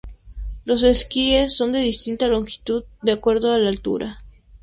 Los esquíes son de distinta longitud de acuerdo con la altura.